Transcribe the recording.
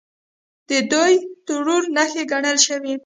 د دوی ټرور نښې ګڼلی شو.